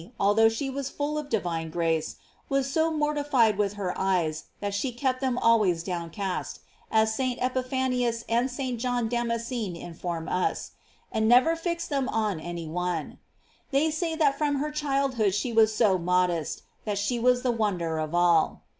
although she was full of divine grace, was so mortified with her eyes that she kept them al ways cast down, as St. Epiphanius and St. John Damascene inform us, and never fixed them on any one; they say that from her childhood she vas so modest that she was the wonder of all.